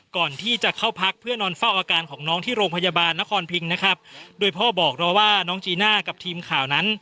ก่อนที่จะเข้าพักเพื่อนอนเฝ้าอาการของน้องที่โรงพยาบาลนครพิงนะครับโดยพ่อบอกเราว่าน้องจีน่ากับทีมข่าวนั้น